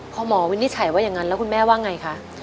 พ่อหมอวินิจฉัยว่ายังไงแล้วคุณแม่ว่าไงคะ